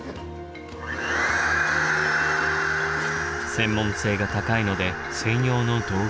専門性が高いので専用の道具はない。